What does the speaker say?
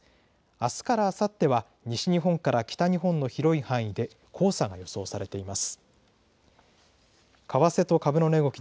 あすからあさっては西日本から北日本の広い範囲で黄砂が予想されています。